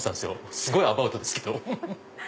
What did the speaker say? すごいアバウトですけど。